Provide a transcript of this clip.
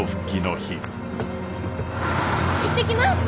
行ってきます。